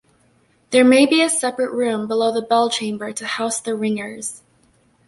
There may be a separate room below the bell chamber to house the ringers.